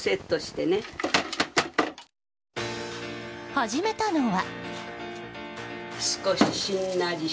始めたのは。